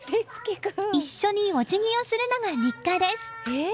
一緒にお辞儀をするのが日課です。